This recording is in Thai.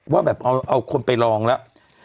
ว่าแบบเอาคนไปลองแล้ว